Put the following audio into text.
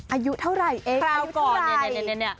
อายุเท่าไหร่เอ๊ะอายุเท่าไหร่